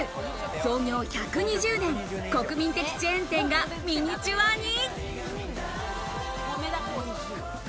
創業１２０年、国民的チェーン店がミニチュアに。